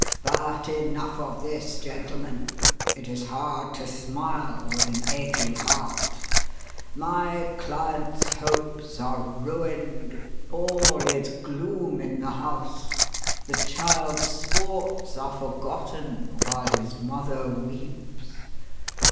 "But enough of this, gentlemen. It is hard to smile with an aching heart. My client's hopes are ruined. All is gloom in the house; the child's sports are forgotten while his mother weeps.